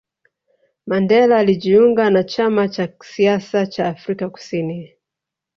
mandela alijiunga na chama cha siasa chaaAfrican kusini